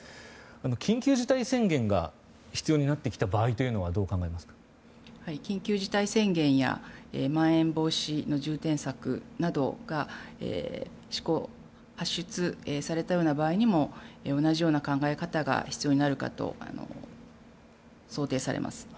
緊急事態宣言が必要になってきた場合は緊急事態宣言やまん延防止重点策などが発出されたような場合にも同じような考え方が必要になるかと想定されます。